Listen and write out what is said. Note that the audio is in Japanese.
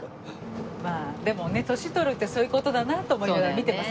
まあでもね年取るってそういう事だなと思いながら見てます。